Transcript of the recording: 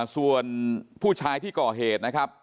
ส่วนผู้ชายที่ก่อเหตุนะครับ